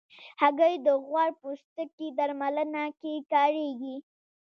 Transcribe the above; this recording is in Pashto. هګۍ د غوړ پوستکي درملنه کې کارېږي.